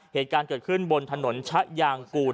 เหตุการณ์เกิดขึ้นบนถนนชะยางกูล